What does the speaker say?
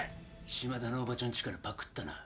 島田のおばちゃんちからパクったな。